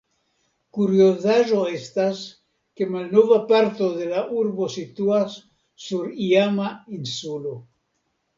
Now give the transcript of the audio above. Kuriozaĵo estas ke malnova parto de la urbo situas sur iama insulo.